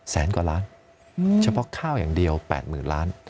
แสนกว่าล้านเฉพาะข้าวอย่างเดียว๘๐๐๐ล้าน